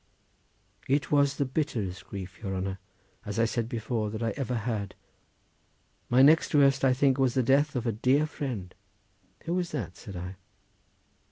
"It was the bitterest grief, your honour, as I said before, that I ever had—my next worst I think was the death of a dear friend." "Who was that?" said I.